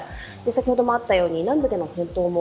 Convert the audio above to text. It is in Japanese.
先ほどもあったように南部での戦闘も